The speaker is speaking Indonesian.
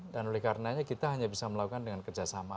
dan oleh karenanya kita hanya bisa melakukan dengan kerjasama